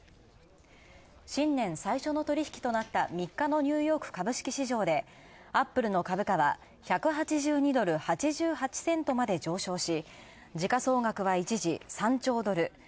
新年最初の取引となった３日のニューヨーク株式市場アップルの株価は１８２ドル８８セントまで上昇し、時価総額は一時３兆ドル。